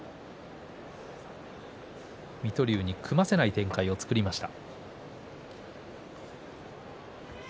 水戸龍に組ませない展開を作りました。